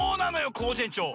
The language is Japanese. コージえんちょう。